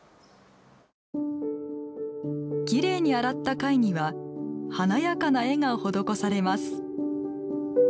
きれいに洗った貝には華やかな絵が施されます。